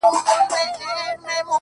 جادوگري جادوگر دي اموخته کړم ـ